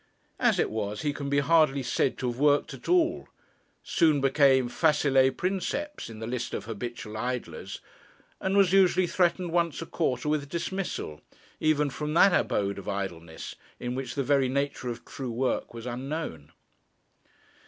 As it was, he can be hardly said to have worked at all, soon became facile princeps in the list of habitual idlers, and was usually threatened once a quarter with dismissal, even from that abode of idleness, in which the very nature of true work was unknown.